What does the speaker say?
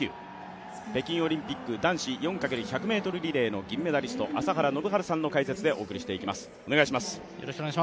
北京オリンピック男子４×１００ｍリレーの銀メダリスト朝原宣治さんの解説でお送りしていきます。